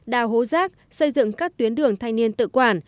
đào hố rác xây dựng các tuyến đường thanh niên tự quản